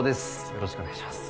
よろしくお願いします